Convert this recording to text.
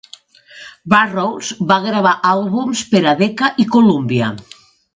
Burrows va gravar àlbums per a Decca i Columbia.